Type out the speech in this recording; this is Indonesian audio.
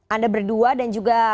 anda berdua dan juga